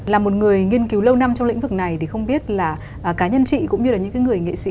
là một người nghiên cứu lâu năm trong lĩnh vực này thì không biết là cá nhân chị cũng như là những người nghệ sĩ